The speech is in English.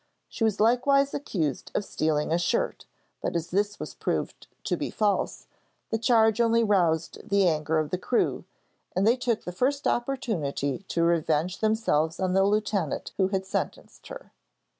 She was likewise accused of stealing a shirt, but, as this was proved to be false, the charge only roused the anger of the crew, and they took the first opportunity to revenge themselves on the lieutenant who had sentenced her.